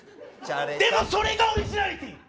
でも、それがオリジナリティー！